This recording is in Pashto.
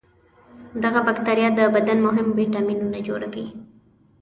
دغه بکتریا د بدن مهم ویتامینونه جوړوي.